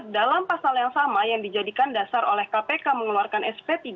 dalam pasal yang sama yang dijadikan dasar oleh kpk mengeluarkan sp tiga